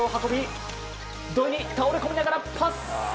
土井に倒れ込みながらパス。